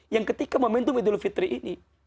yang ketika momentum idul fitri ini